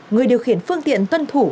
người điều khiển phương tiện tuân thủ